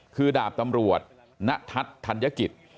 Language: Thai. คือดาบตำรวจณทัศน์ธัญกิจ